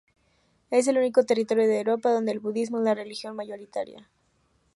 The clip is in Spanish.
Es el único territorio de Europa donde el budismo es la religión mayoritaria.